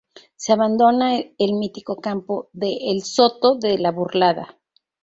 Se abandona el mítico campo de El Soto de Burlada.